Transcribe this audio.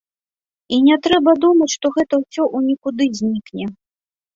І не трэба думаць, што гэта ўсё ў нікуды знікне.